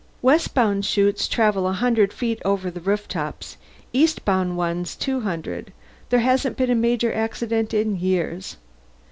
"Westbound Shoots travel a hundred feet over the roof tops, eastbound ones two hundred. There hasn't been a major accident in years.